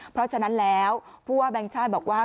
เพราะฉะนั้นแล้วผู้ว่าแบงค์ชาติบอกว่า